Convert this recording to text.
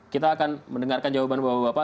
kita akan mendengarkan jawaban bapak bapak